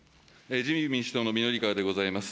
自由民主党の御法川でございます。